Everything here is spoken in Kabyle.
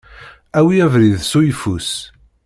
Awi abrid s uyeffus.